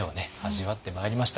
味わってまいりました。